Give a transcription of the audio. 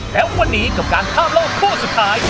และวันนี้กับการข้ามโลกคู่สุดท้าย